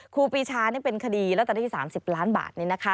ครูปีชานี่เป็นคดีแล้วแต่ได้ที่๓๐ล้านบาท